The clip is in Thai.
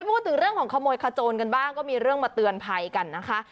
พูดถึงเรื่องของขโมยขโจนกันบ้างก็มีเรื่องมาเตือนภัยกันนะคะ